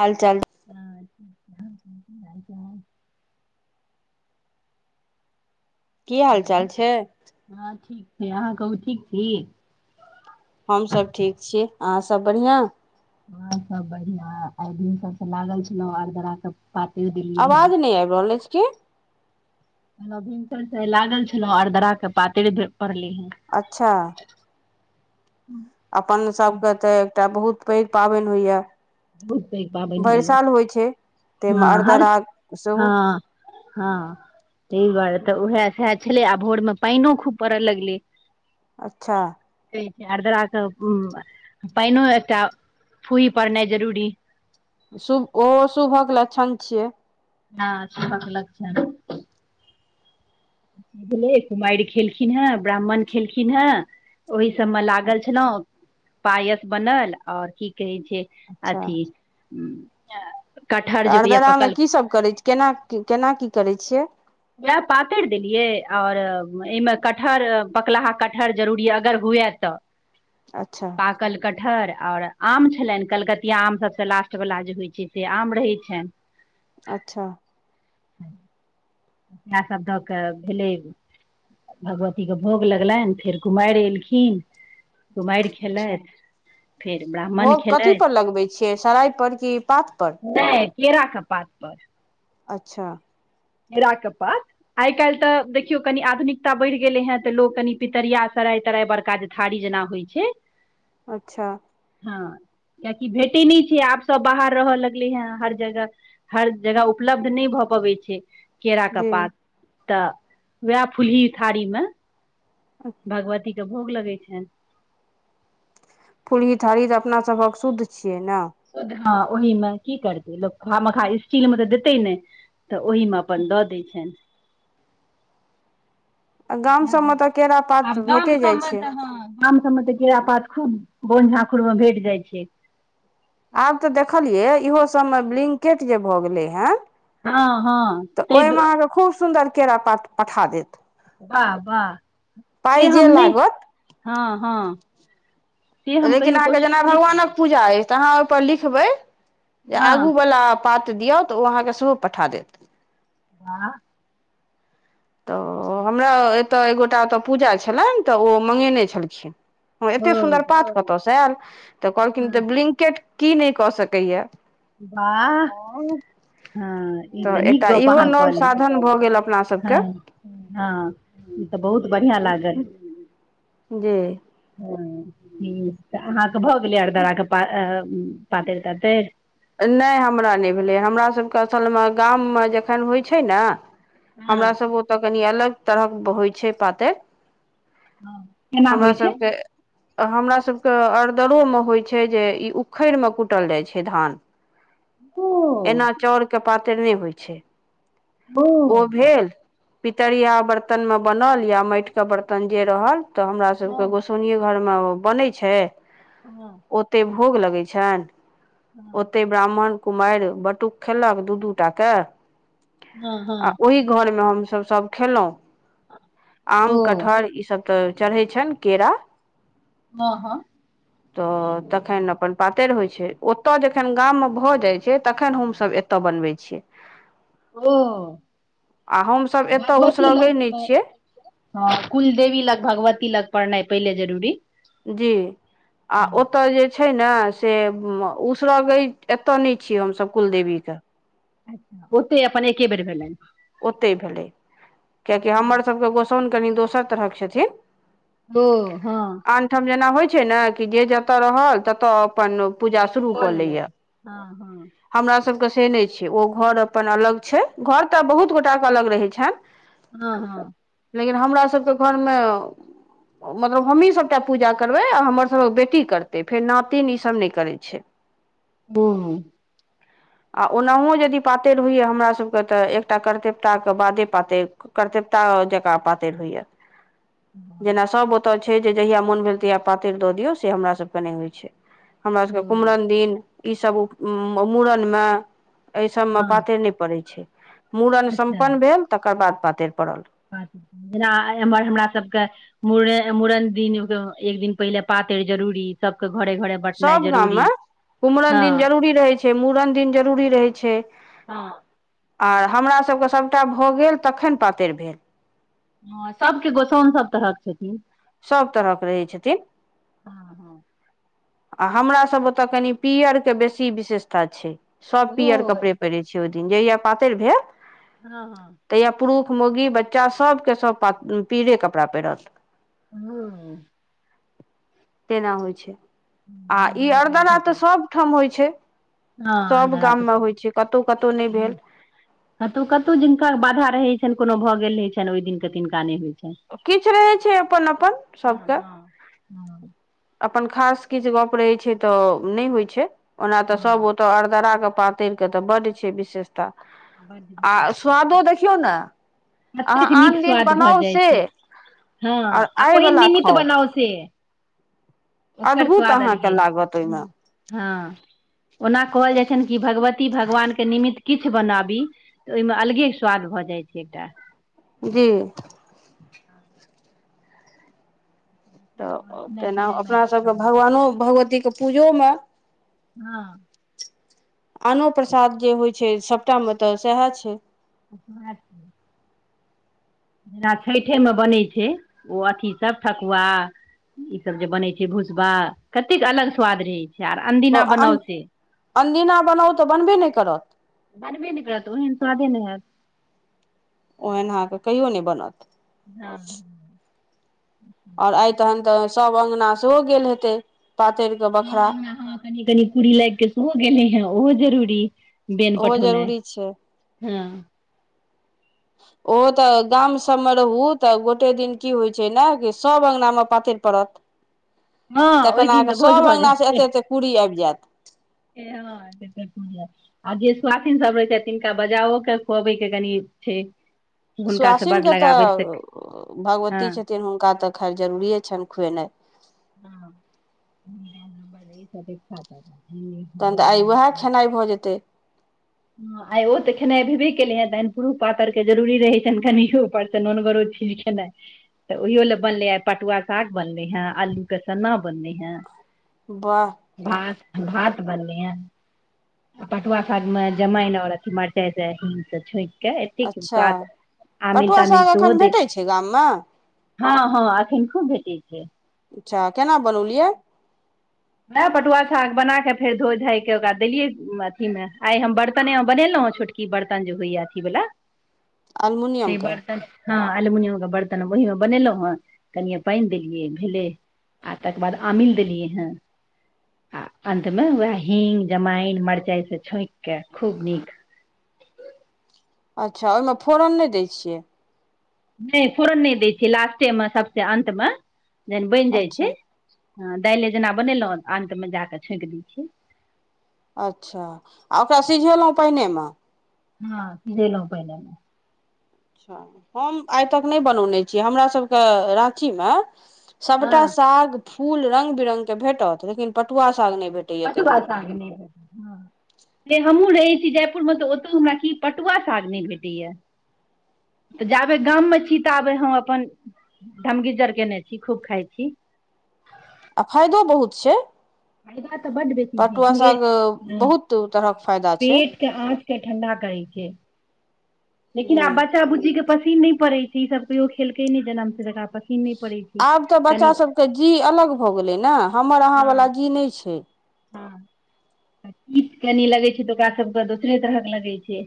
हाल चाल अहां सबके की हाल चाल की हाल चाल छै? हे अहाँ कहू ठीक छी? हम सब ठीक छियै, अहाँ सब बढ़िया हां सब बढ़िया, आइ दिन से त लागल छलौ आर्द्रा सब आवाज नै आब रहल ऐछ किए हमरा भिनसर से लागल छलौं, आरद्रा के पातरि भे पड़लै हें। अच्छा अपन सभके त एकटा बहुत पैघ पाबैन होइयै। बहुत पैघ पाबनि भरि होइए साल होय छै तै मे आरर्द्रा सेहो हां तै दुआरे त उहे सैह छलै आ भोर मे पैनो खूब पड़य लगलै अच्छा आर्द्रा के उम्म पैनो एकटा फुही पड़नाय जरूरी शुभ ओहो शुभक लक्षण छियै। हां शुभक लक्षण। भेलै, कुमारि खेलखिन हें ब्राह्मण खेलखिन हें ओहि सबमे लागल छलौं पायस बनल और की कहै छै अच्छा अथि उम्म अ [unintelligible] त आर्द्रा मे की सब करै छियै, केना की केना कि करै छियै? वैह पातैर देलियै और एहिमे कटहर, पकलाहा कटहर जरूरी अगर हु हुए त, अच्छा पाकल कट ठर और आम छलैन कलकतिया आम सबसे लास्टवला जे होय छै से आम रहै छैन। अच्छा। इहाए सब दऽ कऽ भेलै। भगवतीके भोग लगलैन फेर कुमार एलखिन। कुमार अच्छा खेलैत फेर ब्राह्मण भोग कथी खेलै। पर लगबै छियै सराय पर कि पात पर नै केरा क पात पर। अच्छा। केरा के पात आय-काएल तऽ देखियौ कनि आधुनिकता बढ़ गेलै हेँ तऽ लोक कनि पितरिया से सराय-तराय बड़का जे थारी जेना होय छै। अच्छा। हां। कियाकि भेटे नै छै, आब सब बाहर रहय लगलै हेँ हर जगह हर जगह उपलब्ध नै भऽ पबै छै केरा क जी पात तऽ वाएह फूल्ही थारी मे भगवती के भोग लगै छैन। फूल्ही थारी तऽ अपना सभक शुद्ध छियै नै। हां ओहिमे की करतै लोक खा मखाय स्टील मे तऽ देतै नै। तऽ ओहिमे अपन दऽ दै छैन। गाम सभमे तऽ केरा [unintelligible] पात आब गाम भेटे जाइ सबमे छै त हां। गाम सबमे तऽ केरा पात खूब बोन झाखूर मे भेट जाय छै। आब तऽ देखलियै इहो सबमे ब्लिंकेट जे भऽ गेलै हेँ हँ हँ तऽ ताहि ओय मे दुआरे अहाँके खूब सुन्दर केरा पात पठा दैत। बाह-बाह सेे जे हम नै लागत हां-हां। लेकिन अहाँके जेना भगवानक पूजा ऐछ तऽ अहाँ ओय पर लिखबै जे हँ आगु वला पात दियौ त उ अहां के सेहो पठा दैत। वाह। तऽ हमरा एता एक गोटा ओता पूजा छलैन तऽ ओ मंगैने छलखिन। हां ओ एते सुन्दर पात कता से आएल। तऽ कहलखिन हँ तऽ ब्लिंकेट की न कऽ सकैया। बाह। हां ई तऽ नीक एकटा गप इहो अहाँ नव कहलौ साधन भऽ गेल अपना सबके हां। हां ई तऽ बहुत बढ़ियाँ लागल। जी। हां ई त अहाँके भऽ गेलै अरदरा के पा ए पातैर-तातैर। नै हमरा नै भेलै हमरा सबके असलमे गाममे जखन होय छै नै हँ हमरा सब ओता कनि अलग तरहक होय छै पातैर। हां केना होय छै। आ हमरा सबके अरदरोमे होय छै जे ई उखैड़ मे कूटल जाय छै धान। ओ एना चौड़ के पातैर नै होय छै। ओ। पितरिया बर्तनमे बनल या मेएट के बर्तन जे रहल। तऽ हमरा हँ सबके गोसौनिये घर मे बनै छै। हां। भोग लगै छन। ओते ब्राह्मण, कुमाएर, बटुक खेलक दू-दूटा के। हँ आ हँ ओहि घरमे हम सब सब खेलौ। ओ आम, कठहर ई सब तऽ चढ़ै छन केरा हँ हँ तऽ तखन अपन पातैर होय छै ओ त जखन गाम मे भऽ जाय छै, तखन हम सब एता बनबै छियै। ओ। आ हमसभ एतय भगवती उसरगै लंग नहि से छियै हां कुलदेवी लग भगवती लग पड़नाय पहले जरूरी जी आ हँ ओता जे छ छै नै से म उसरगे एता नै छियै हम सब कुलदेवी के। अच्छा ओते अपन एके बेर भेलैन। ओतै भेलै कियाकि हमर सबके गोसौन कनि दोसर तरहक छथि। ओ हां। होइ छै नै कि जे जतऽ रहल तता अपन पूजा शुरू कऽ क लेलथि लैया, हँ हँ हमरा सबके से नै छै ओ घर अपन अलग छै घर तऽ बहुत गोटा के अलग रहै छैन। हां-हां। लेकिन हमरा सबके घर मे मतलब हमही सबटा पूजा करबै आ हमर सबक बेटी करतै फेर नातिन ई सब नै करै छै। [unintelligible] आ ओनाहु यदि पातैर होयया हमरा सबके तऽ एक टा करतेप्ता के बादे पातैर क करतेप्ता जकाँ पातैर होयया। बाह। ओता छै जे जहिया मोन भेल तहिया पातैर दऽ दियौ से हमरा सब के नै होय छै। हमरा सबके ओ कुम्हरन दिन ई सब उ उम्म मूड़न मे ए सबमे हँ पातैर नै पड़ै छै। मूड़न सम्पन्न भेल तकर बाद पातैर पड़ल। [unintelligible] रा एम्हर हमरा सबके मुड़े मुड़न दिन एक दिन पहिले पा तैर जरूरी सब सब गाममे कुम्हरन दिन हँ जरूरी रहै छै, मूड़न दिन जरूरी रहै छै। हां। आ हमरा सबके सबटा भऽ गेल तखन पातैर भेल। हां सबके गोसौन सब तरहक छथिन। सब तरह के रहै छथिन। हँ हँ आ हमरा सब ओता कनि पियरके बेसी विशेषता छै। सब पियर ओहो कपड़े पहिरै छै ओय दिन जहिया पातैर भेल हां-हां। तहिया पुरुष मौगी, बच्चा सबके सब पा उम्म पीरे कपड़ा पहिरत। हां। तेना होय छै आ ई जानकारी अरदरा तऽ सब ठाम होय छै। हां सभ अरदरा ते गाममे सब होइ छै कतहु कतहु नहि हां। भेल कतौ-कतौ जिनका बाधा रहै छन, कुनो भऽ गेल रहै छन, ओय दिन के तिनका नै होय किछ रहै छै अपन-अपन सबके। हां। अपन खास किछ गप रहे छै तऽ नै होय छै, ओना तऽ हँ सब ओता अरदरा के पातैर के तऽ बड छै विशेषता बड आ स्वादो विशेष देखियौ नै कतेक अहाँ आन नीक दिन स्वाद भऽ बनाउ जाइ से छै हँ आओर आ आइ ओहि वला निमित्त खाउ बनाउ से ओकर अद्भुत स्वाद अलगे अहाँके लागत ओहिमे हँ ओना कहल जाइ छनि कि भगवती भगवान के निमित्त किछ बनाबी तऽ ओहिमे अलगे स्वाद भऽ जाइत छै एकटा जी आओर तऽ खेनाइ तेना पिनाइ अपना मायके सभके सब बनि रहल भगवानो भगवतीके पूजोमे हँ आनो प्रसाद जे होइ छै सभटामे तऽ सएह छै। [unintelligible] जेना छठेमे बनै छै ओ अथीसभ ठकुआ ई सब जे बनै छै भूसवा कतेक अलग स्वाद रहे छै आर ब अनदिना अन बनाउ से अनदिना बनाउ तऽ बनबे नहि करत। बनबे नहि करत ओहन स्वादे नहि हैत। ओहन अहाँके कहियो नहि बनत। हँ आओर आइ तहन तऽ सभ अङ्गना सेहो गेल हेतै। पातरिके सब बखरा अंगना, हॅं कनि कनि कुड़ी लाइग कऽ सेहो गेलै हे ओहो जरूरी बेन ओहो पठौनाइ जरूरी छै। हँ [inaudible] ओ तऽ गाम सभमे रहू तऽ गोटे दिन की होइ छै ने कि सभ अङ्गनामे पातरि पड़त हँ ओहि तखनि दिन तऽ अहाँके भोज सभ अङ्गनासे एतेक एतेक कुडी आबि जायत। ए हँ एते एते कुड़ी आइब आ जे सुवाासीन सब रहै छथि तिनका बजाओके खुअबै के कनि छै। हुनका से बड सुआसिनकेँ लगाबै तऽ से भगवती हँ छथिन हुनका तऽ खैर जरूरिए छनि खुएनाइ। हँ [unintelligible] हॅं तहन तऽ बजा आइ लियौन उएह खुआ दियौन, खेनाइ भऽ जेतै हं आइ ओ तऽ खेनाइ भेबे ले हेतनि पुरुष पातर के जरूरी रहै छनि कनि उपरसे नोनगरो चीज खेनाई तऽ ओहियो लए बनले आइ पटुआ साग बनलै हैं अल्लु केसन्ना बनलै हैं वाह भात भात बनले हैं। आ पटुआ सागमे जमाइन और अथी मरचाई से छौंक के एत्तेक अच्छा स्वाद आमिल पटुआ तामिल साग सेहो एखन देल भेटै छै गाममे हँ हँ अखैन खूब भेटै छै। अच्छा केना बनौलियै वैह पटुआ साग बना कऽ फेर धोइ धाायऽ ओकरा देलियै अथीमे आइ हम बर्तनेमे बनेलहुँ हॅं छोटकी बर्तन जे होइए अथी बला अलमुनियमके हँ अलमुनियम के बर्तन ओहि मे बनेलहुँं हे कनिये पानि देलियै भेलै आ तकर बाद आमिल देलियै हेँ आ अन्तमे वैह हींग, जमाइन, मरचाइसे छौंक के खूब नीक [unintelligible] अच्छा ओहिमे फोरन नहि दै छियै? नहि फोरन नहि दै छै लास्टेमे सभसँ अन्तमे जहन बनि जाइ अच्छा छै हँ दालिए जेना बनेलहुँ अन्तमे जा के छोंकि दैत छियै। अच्छा आ ओकरा सिझेलहुँ पाइनेमे? हँ सिझेलहुं पाइने मे। अच्छा! हम आइ तक नहि बनौने छी, हमरासभके राँचीमे सबटा हँ साग, फूल रंग बिरंगक भेटत, लेकिन पटुआ साग नहि भेटैया ब कहियो ब हमू र [unintelligible] जयपुर मे तऽ, ओतौ हमरा की पटुआ साग नहि भेटैया। तऽ जाबे गाममे छी, ताअबे हम अपन धमगीजर केने छी, खूब खाइ छी। आ आ फायदो बहुत छै। फायदा तऽ बड बेसी पटुआ भे, साग ह बहुत तरहक फायदा छै पेटके आ के ठणडा करै छै, लेकिन आब जी बच्चा बुचजी के पसीन नहि पड़े छै, ई सब केयो खेलके न नहि जनम से आइ तक। आब तऽ बच्चासभके जीह अलग भऽ गेलै ने, हमर अहाँवला हँ जीह नहि छै। हँ, तीत कनि लगै छै, तऽ ओकरा सबके दोसरे तरहक लगै छै।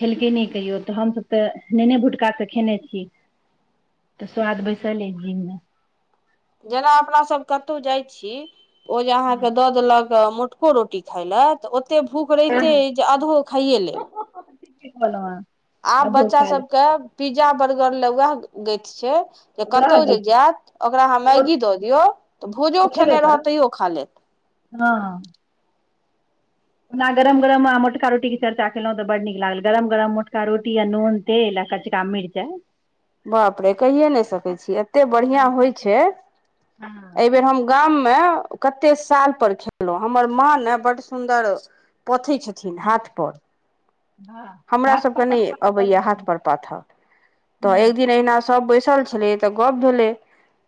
खेलकै नहि कहियो तऽ, हमसभ तऽ नेने भुटकासँ खेने छी। तऽ, स्वाद बैसल अइ जीह मे। जेना अपनासभ कतहु जाइत छी, ओ जे अहाँके हँ दऽ देलक मु छोटको रोटी खााय लए, तऽ ओतेक भूख रहितै अइ जे आधो खाइए लेब। ठीके कहलउ अहाँ। आब आधो बच्चा खा ले सबके, पिज्जा बर्गर ले उएह गति छै। जे रह कतहु गे जे जायत, ओकरा अहाँ ओ मैगी दऽ दियौ, तऽ भोजो ओ खेबे खेने रहत करत तैयो खा लेत। हँ। ना गरम -गरम मोटका रोटी के चर्चा केलहुँं तऽ, बड नीक लागल, गरम -गरम मोटका रोटी आ नून तेल कचका मीरचाई। बाप रे कहिए नहि सकै छी, एतेक बढ़िआँ हँ होइ कच्चे छै। हँ एहि बेेर हम गाम मे, कते साल पर खेललहु, हमर माँ ने बड सुन्दर पथै छथिन हँ हाथ पर। हमरा भात सबके पर नहि पकवान तऽ बड अबैया हाथ नीक पर पाथअ, लागल। तऽ हँ एक दिन अहिना सभ बैस पसल छलै, तऽ गप भेलै,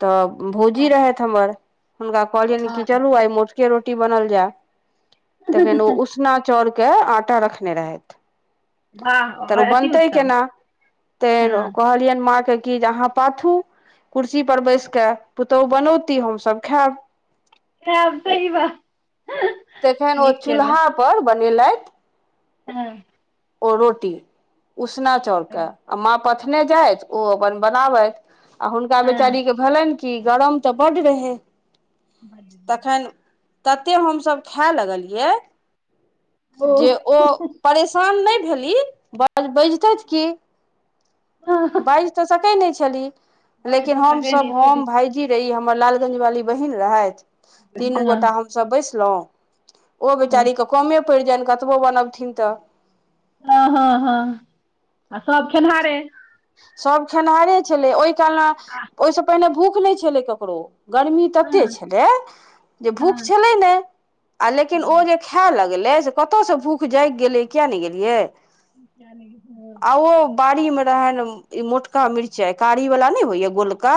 तऽ भौजी हँ रहैत हमर हुनका कहलियनि कि चलू आइ मोटके रोटी बनल जाय, तखन ओ उसना चाउर के, आटा रखने रहथि। वाह तअ ओ और अति बनतै उत्तम केना? ते हँ कहलियनि माँ के की जे अहाँ पाथू, कुर्सी पर बैस के पुतोहु बनौती हमसभ खायब। बाप रे बा। तखन ओ चूल्हाापर बनेलथि। हँ। ओ रोटी उसना चाउरके, हँ आ माँ प ओ पथने जाइथ, ओ अपन बनाबथि, आ हुनका हँ बेचारी के भेलनि कि गरम तऽ बड रहेै। बाज [unintelligible] तते हमस खाय लगलियै, जे ओ परेशान नहि भेली बाज बाजितै की! हँ बाजि तऽ सकै नहि छली। बाजि लेकिन तऽ सकै हमसभ नै हम भायजी रही, हमर लालगंज वाली बहिन रहथि। तीनू छेलियै हँ गोटा हमसभ बैसलहुँं। ओ हँ बेचारीके कमे पड़ि जयनि, कतबो बनबथिन तऽ। हँ, हँ, हँ, आ सब खेनिहारे। सब खेनाहारे छलै ओय कालमे ओय से पहिने भूख नै छलै ककरो। गर्मी हँ तते छलै जे भूख हँ छलै ने आ लेकिन ओ हँ जे खाय लग लै से कतौ से भूख जाएग गेलै किया नै गेलियै। [unintelligible] री मे रहैन ई मोटका मिरचाय कारी वाला नै होयया गोलका।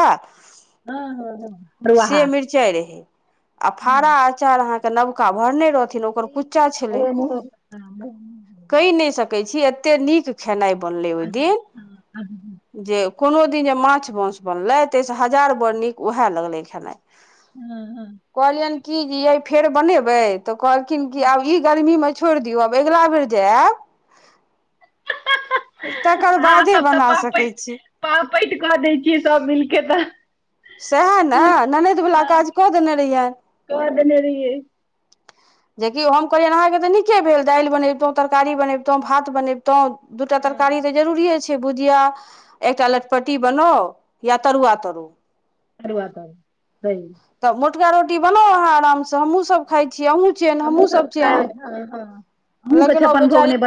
हँ हँ बरुआहा से मिरचाय रहै। आ फारा हँ आचार अहाँ के नबका भरनै रह खेलौ ओकर कुच्चा छलै हँ कैह नै सक कै छी एते नीक खेनाय बनलै ओय दिन। हां। जे कोनो दिन जे माछ मौस बनलै तै से हजार बड़ नीक उहाए लगलै खनाय। हां-हां। की जी ये फेर बनैबे तऽ कहलखिन की आब ई गर्मी मे छोड़ दियौ आब एगला बेर जे आएब तकर अहाँ बाद सब तऽ पापैट पापैट कऽ दै छियै सब मिलके तऽ। सहाए नै ननद वला काज कऽ देनै रिहै। देनै रिहै। जेकि हम कहलियेन अहाँ के तऽ नीके भेल दाएल बनैबतौ, तरकारी बनैबतौ, भात बनैबतौ। दूटा तरकारी तऽ जरूरीेये छै। के भुजिया, एकटा लटपटी बनाउ या तरुआ तरू। तरुआ तरु सही। तुवा रोटी बनाउ अहाँ अराम से हमु सब खाय छिये, हमु छीयेन, हमु सब छियेन, हाँ हाँ अहूँके लेकिन ओ छप्पन भोग बेचारी नहि